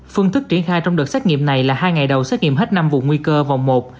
phương thức triển khai trong đợt xét nghiệm này là hai ngày đầu xét nghiệm hết năm vùng nguy cơ vòng một